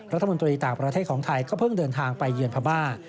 รัฐมนตรีต่างประเทศของไทยก็เพิ่งเดินทางไปเยือนพม่า